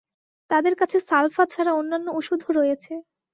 তাদের কাছে সালফা ছাড়া অন্যান্য ওষুধও রয়েছে।